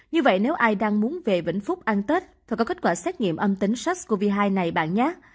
như vậy nếu ai đang muốn về vĩnh phúc ăn tết phải có kết quả xét nghiệm âm tính sars cov hai này bạn nhát